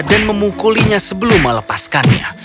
dan memukulinya sebelum melepaskannya